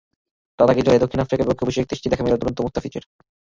তার আগে জুলাইয়ে দক্ষিণ আফ্রিকার বিপক্ষে অভিষেক টেস্টেও দেখা মিলল দুরন্ত মুস্তাফিজের।